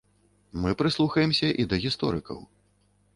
Мы прыслухаемся і да гісторыкаў.